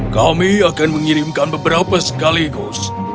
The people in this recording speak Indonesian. kami akan mengirimkan beberapa sekaligus